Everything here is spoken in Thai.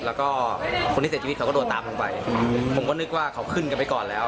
แล้วก็คนที่เสียชีวิตเขาก็โดนตามลงไปผมก็นึกว่าเขาขึ้นกันไปก่อนแล้ว